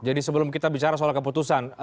jadi sebelum kita bicara soal keputusan